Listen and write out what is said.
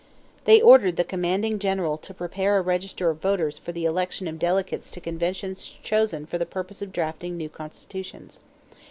They ordered the commanding general to prepare a register of voters for the election of delegates to conventions chosen for the purpose of drafting new constitutions.